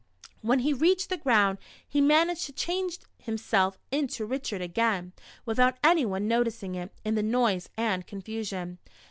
When he reached the ground, he managed to change himself into Richard again, without anyone noticing it, in the noise and confusion.